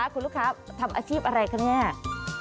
คุณลูกค้าทำอาชีพอะไรค่ะเนี่ย